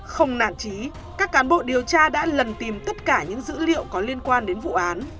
không nản trí các cán bộ điều tra đã lần tìm tất cả những dữ liệu có liên quan đến vụ án